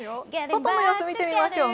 外の様子、見てみましょう。